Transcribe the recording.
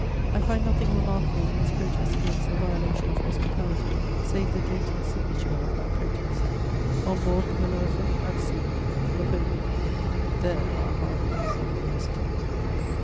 I find nothing remarkable in his protest against the violation of hospitality, save the date and signature of that protest: "On board the Bellerophon, at sea. "NAPOLEON." There are harmonies of immensity.